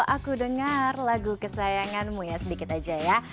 aku dengar lagu kesayanganmu ya sedikit aja ya